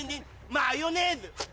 マヨネーズ